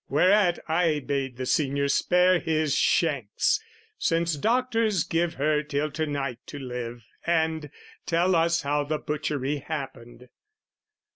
Whereat I bade the senior spare his shanks, Since doctors give her till to night to live And tell us how the butchery happened.